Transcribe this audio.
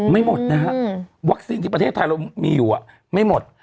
ไม่หมดนะฮะวัคซีนที่ประเทศไทยเรามีอยู่ไม่หมด